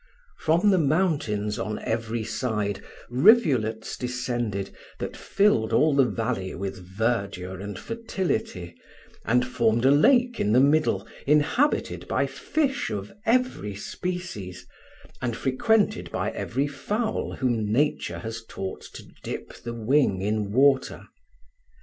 From the mountains on every side rivulets descended that filled all the valley with verdure and fertility, and formed a lake in the middle, inhabited by fish of every species, and frequented by every fowl whom nature has taught to dip the wing in water.